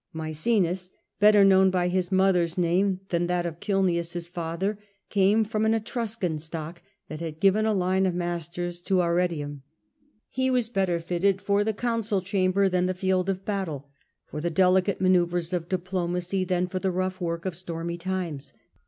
Maecenas, better known by his mother's name than that of Cilnius, his father, came from an Etruscan stock that had given a line of masters to Arretium. He was better fitted for the council chamber than the field of battle, for the delicate man oeuvres of diplomacy than for the rough work of stormy times.